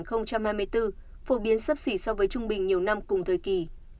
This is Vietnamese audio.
phổ biến sấp xỉ so với trung bình nhiều năm cùng thời kỳ